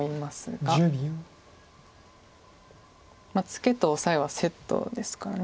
ツケとオサエはセットですから。